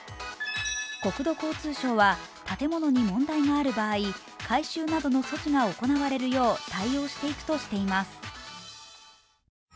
国土交通省は建物に問題がある場合、改修などの措置が行われるよう対応していくとしています。